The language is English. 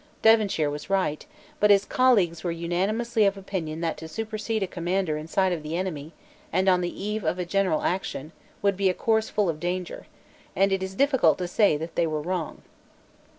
Devonshire was right; but his colleagues were unanimously of opinion that to supersede a commander in sight of the enemy, and on the eve of a general action, would be a course full of danger, and it is difficult to say that they were wrong.